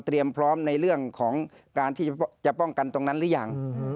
พร้อมในเรื่องของการที่จะป้องกันตรงนั้นหรือยัง